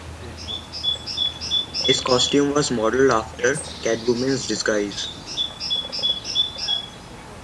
His costume was modeled after Catwoman's disguise.